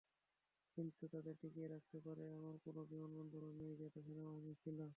কিন্তু তাদের টিকিয়ে রাখতে পারে, এমন কোনো বিমানবন্দরও নেই, যেটা সেনাবাহিনীর ছিল।